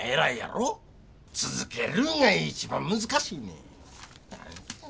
続けるんが一番難しいねん。